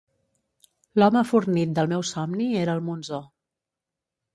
L'home fornit del meu somni era el Monzó.